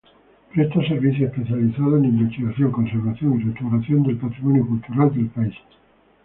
Presta servicios especializados en investigación, conservación y restauración del patrimonio cultural del país.